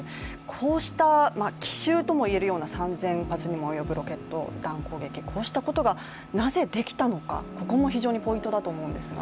こうした奇襲とも言える、３０００発にも及ぶロケット弾攻撃、こうしたことがなぜできたのか、ここも非常にポイントだと思うんですが。